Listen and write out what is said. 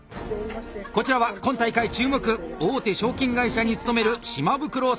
こちらは今大会注目大手証券会社に勤める島袋幸恵。